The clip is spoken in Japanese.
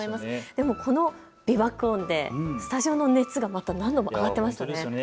でもこの美爆音でスタジアムの熱が何度も上がっていましたね。